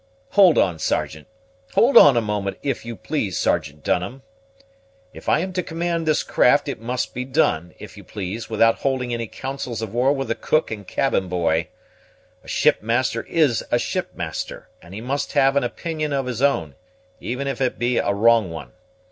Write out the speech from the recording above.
"Hold on, Sergeant hold on a moment, if you please, Sergeant Dunham. If I am to command this craft, it must be done, if you please, without holding any councils of war with the cook and cabin boy. A ship master is a ship master, and he must have an opinion of his own, even if it be a wrong one.